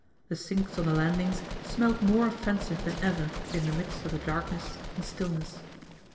The sinks on the landings smelled more offensive than ever in the midst of the darkness and stillness.